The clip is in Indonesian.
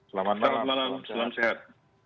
selamat malam selamat malam selam sehat